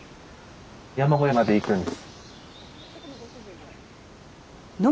山小屋まで行くんです。